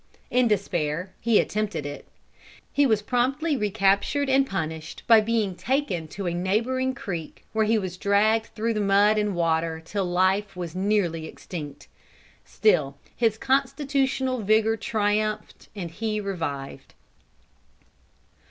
In despair he attempted it. He was promptly recaptured and punished by being taken to a neighboring creek where he was dragged through mud and water, till life was nearly extinct. Still his constitutional vigor triumphed, and he revived.